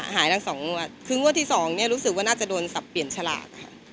หายทั้งสองงวดคืองวดที่สองเนี่ยรู้สึกว่าน่าจะโดนสับเปลี่ยนฉลากค่ะ